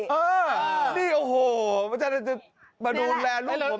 เออนี่โอ้โหมันจากนั้นจะมาดูแลลูกผม